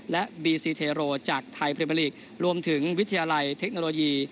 และบีซีเทโรจากไทยพรีเมอร์ลีกรวมถึงวิทยาลัยเทคโนโลยี